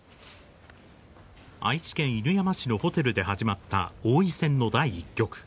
愛知県犬山市のホテルで始まった、王位戦の第１局。